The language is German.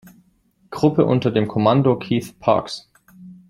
Gruppe unter dem Kommando Keith Parks.